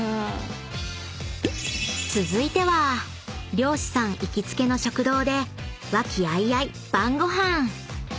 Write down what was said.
［続いては漁師さん行きつけの食堂で和気あいあい晩ご飯］